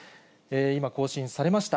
今更新されました。